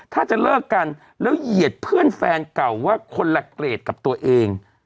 ถ้าจะเลิกกันแล้วเหยียดเพื่อนแฟนเก่าว่าคนละเกรดกับตัวเอง